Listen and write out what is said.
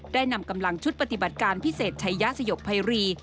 ได้นำกำลังชุดปฏิบัติการพิเศษใช้ยาสยบไพรี